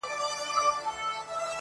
خپل وېښته وینم پنبه غوندي ځلیږي،